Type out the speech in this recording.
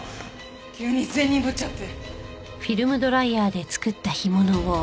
急に善人ぶっちゃって。